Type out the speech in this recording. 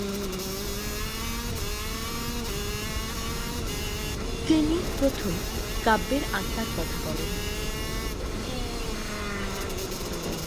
তিনিই প্রথম কাব্যের আত্মার কথা বলেন।